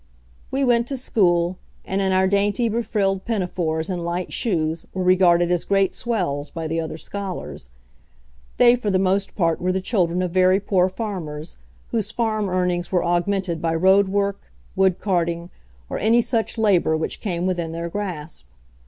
We went to school, and in our dainty befrilled pinafores and light shoes were regarded as great swells by the other scholars. They for the most part were the children of very poor farmers, whose farm earnings were augmented by road work, wood carting, or any such labour which came within their grasp.